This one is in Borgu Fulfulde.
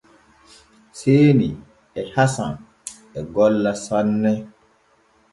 Seeni e Hasan e golla sanne.